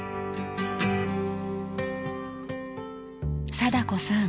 貞子さん